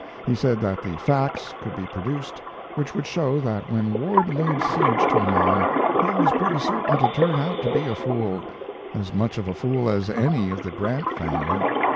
He said that the facts could be produced which would show that when Ward laid siege to a man he was pretty certain to turn out to be a fool; as much of a fool as any of the Grant family.